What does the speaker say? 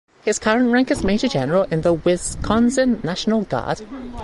His current rank is Major General in the Wisconsin National Guard.